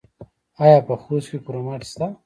آیا په خوست کې کرومایټ شته؟